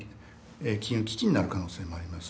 金融危機になる可能性もあります。